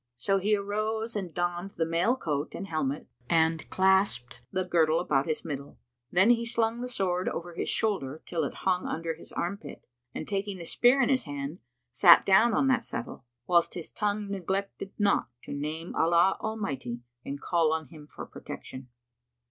So he arose and donned the mail coat and helmet and clasped the girdle about his middle; then he slung the sword over his shoulder till it hung under his armpit, and taking the spear in his hand, sat down on that settle, whilst his tongue neglected not to name Allah Almighty and call on Him for protection.